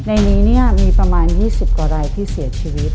ในนี้มีประมาณ๒๐กว่ารายที่เสียชีวิต